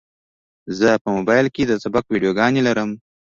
زه موبایل کې د سبق ویډیوګانې لرم.